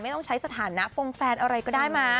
ต้องใช้สถานะฟมแฟนอะไรก็ได้มั้